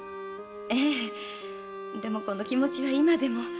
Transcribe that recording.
ええでもこの気持ちは今でも。